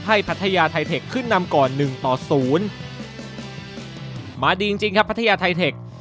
ให้พัทยาไทเทคขึ้นนำก่อน๑ต่อ๐มาดีจริงครับพัทยาไทเทค